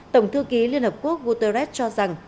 tổng thư ký liên hợp quốc guterres cho rằng